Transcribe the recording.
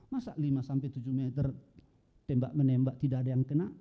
masa lima sampai tujuh meter tembak menembak tidak ada yang kena